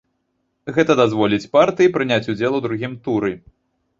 Гэта дазволіць партыі прыняць удзел у другім туры.